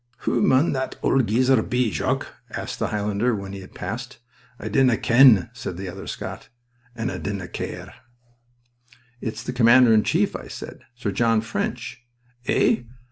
"Who mun that old geezer be, Jock?" asked a Highlander when he had passed. "I dinna ken," said the other Scot. "An' I dinna care." "It's the Commander in Chief," I said. "Sir John French." "Eh?"